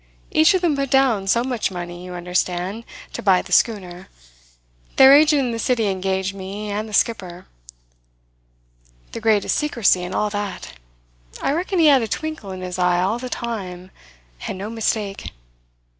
Each of them put down so much money, you understand, to buy the schooner. Their agent in the city engaged me and the skipper. The greatest secrecy and all that. I reckon he had a twinkle in his eye all the time and no mistake.